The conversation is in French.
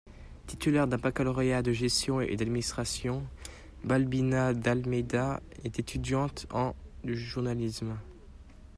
Titulaire d'un baccalauréat de gestion et d'administration, Balbina d'Almeida est étudiante en de journalisme.